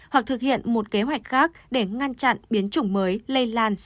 hoặc thực hiện một kế hoạch khác để ngăn chặn biến chủng mới lây lan sang israel